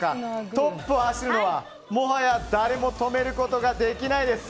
トップを走るのは、もはや誰も止めることができないです。